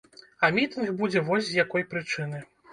А мітынг будзе вось з якой прычыны.